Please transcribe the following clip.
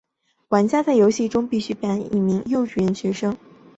玩家在游戏中必须扮演一名幼稚园学生。